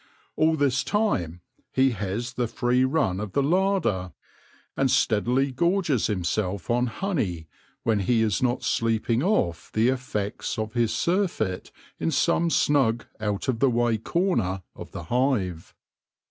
All this time he has the free run of the larder, and steadily gorges himself on honey when he is not sleeping off the effects of his surfeit in some snug out of the way corner of the hive.